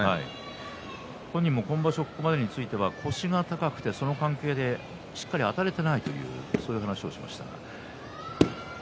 本人もこの場所、ここまで腰が高くてその関係でしっかりあたれていないという話をしていました。